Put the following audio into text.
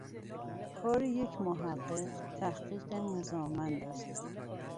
کار یک محقق، تحقیق نظاممند است